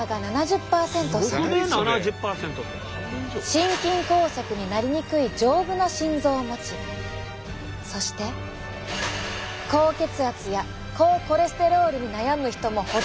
心筋梗塞になりにくい丈夫な心臓を持ちそして高血圧や高コレステロールに悩む人もほとんどいない。